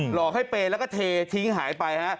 หลอกให้เปย์แล้วก็เททิ้งหายไปฮะ